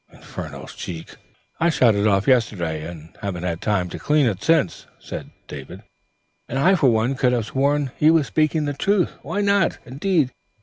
Infernal cheek! 'I shot it off yesterday, and haven't had time to clean it since,' said David, and I, for one, could have sworn he was speaking the truth. Why not, indeed?